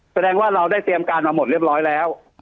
แสดงว่าเราได้เตรียมการมาหมดเรียบร้อยแล้ว